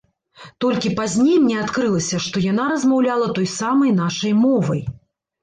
Толькі пазней мне адкрылася, што яна размаўляла той самай нашай мовай.